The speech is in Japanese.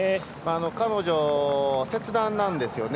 彼女、切断なんですよね。